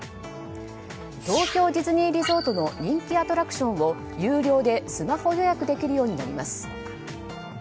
東京ディズニーリゾートの人気アトラクションを有料でスマホ予約できるようになります。